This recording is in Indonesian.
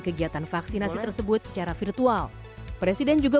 kegiatan vaksinasi tersebut secara virtual presiden juga